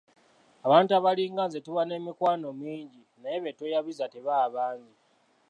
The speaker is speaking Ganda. Abantu abalinga nze tuba n'emikwano mingi naye betweyabiza tebaba bangi.